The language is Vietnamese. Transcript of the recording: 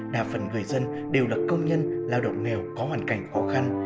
đa phần người dân đều là công nhân lao động nghèo có hoàn cảnh khó khăn